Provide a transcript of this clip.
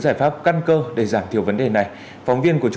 tại phòng tham vấn và tạm lánh